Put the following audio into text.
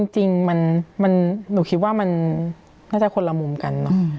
จริงหนูคิดว่ามันน่าจะคนละมุมกันเนอะ